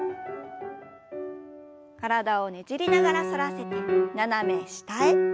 体をねじりながら反らせて斜め下へ。